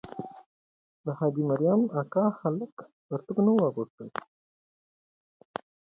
د حاجي مریم اکا هلک پرتوګ نه وو اغوستی.